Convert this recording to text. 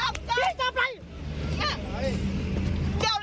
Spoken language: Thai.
พี่จับเลย